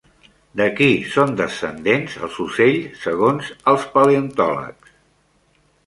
De qui són descendents els ocells segons els paleontòlegs?